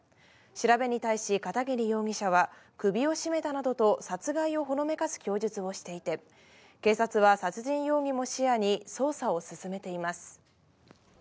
調べに対し片桐容疑者は、首を絞めたなどと、殺害をほのめかす供述をしていて、警察は殺人容疑も視野に捜査を進めています。